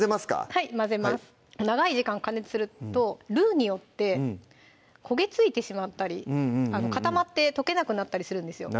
はい混ぜます長い時間加熱するとルウによって焦げ付いてしまったり固まって溶けなくなったりするんですよ